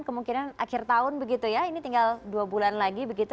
kemungkinan akhir tahun begitu ya ini tinggal dua bulan lagi begitu